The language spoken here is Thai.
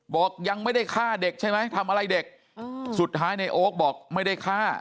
บอกยังไม่ได้ฆ่าเด็กใช่ไหมทำอะไรเด็กสุดท้ายในโอ๊คบอกไม่ได้ฆ่า